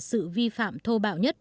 sự vi phạm thô bạo nhất